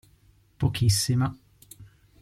Pochissima.